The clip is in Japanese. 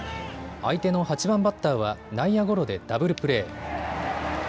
相手の８番バッターは内野ゴロでダブルプレー。